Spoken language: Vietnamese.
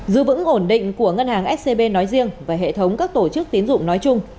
giữ vững ổn định của ngân hàng scb nói riêng và hệ thống các tổ chức tiến dụng nói chung